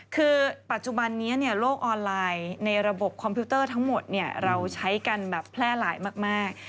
คือปัจจุบันนี้โลกออนไลน์ในระบบคอมพิวเตอร์ทั้งหมดเราใช้กันแบบแพร่หลายมาก